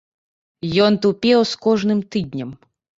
Ён тупеў з кожным тыднем.